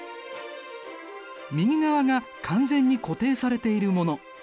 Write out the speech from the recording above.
右側が完全に固定されているもの。